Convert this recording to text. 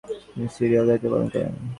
তিনি সিরিয়ায় দায়িত্ব পালন করেন।